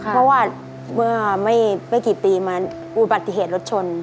เพราะว่าเมื่อไม่กี่ปีมาอุบัติเหตุรถชน